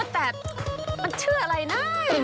แต่มันชื่ออะไรนะ